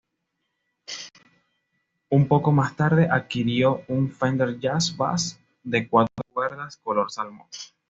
Un poco más tarde adquirió un Fender Jazz Bass de cuatro cuerdas color salmón.